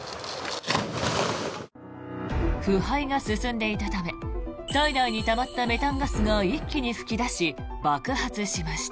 腐敗が進んでいたため体内にたまったメタンガスが一気に噴き出し、爆発しました。